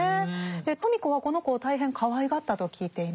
芙美子はこの子を大変かわいがったと聞いています。